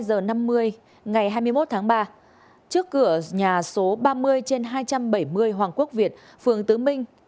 vào tháng hai mươi hai h năm mươi ngày hai mươi một tháng ba trước cửa nhà số ba mươi trên hai trăm bảy mươi hoàng quốc việt phường tứ minh